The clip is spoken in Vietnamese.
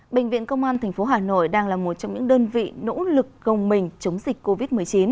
bệnh viện công an tp hà nội đang là một trong những đơn vị nỗ lực gồng mình chống dịch covid một mươi chín